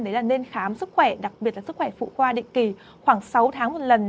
đấy là nên khám sức khỏe đặc biệt là sức khỏe phụ khoa định kỳ khoảng sáu tháng một lần